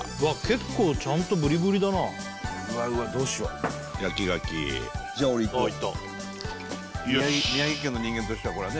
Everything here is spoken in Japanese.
結構ちゃんとブリブリだなうわうわどうしよう焼き牡蠣じゃ俺いこうああいったよし宮城県の人間としてはこれはね